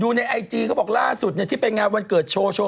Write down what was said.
ในไอจีเขาบอกล่าสุดที่ไปงานวันเกิดโชว์